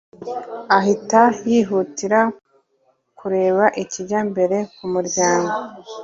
ahita yihutira kureba ikijya mbere ku muryango